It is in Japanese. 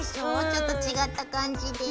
ちょっと違った感じで。